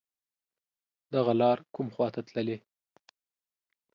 دغه لار کوم خواته تللی